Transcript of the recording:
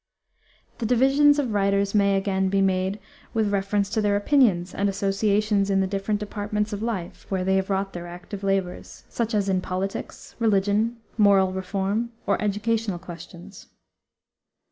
The divisions of writers may, again, be made with reference to their opinions and associations in the different departments of life where they have wrought their active labors, such as in politics, religion, moral reform, or educational questions.